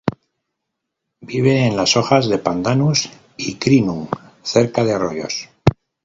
Vive en las hojas de Pandanus y Crinum cerca de arroyos.